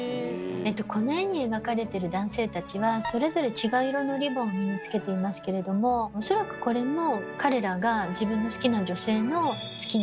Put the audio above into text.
この絵に描かれてる男性たちはそれぞれ違う色のリボンを身につけていますけれどもおそらくこれも彼らが自分の好きな女性の好きな色のリボンを身につけてると思います。